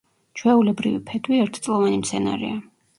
ჩვეულებრივი ფეტვი ერთწლოვანი მცენარეა.